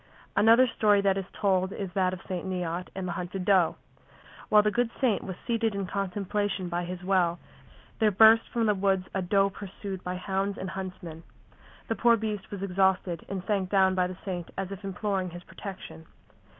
Another story that is told is that of St. Neot and the hunted doe. While the good saint was seated in contemplation by his well, there burst from the woods a doe pursued by hounds and huntsmen. The poor beast was exhausted and sank down by the saint as if imploring his protection.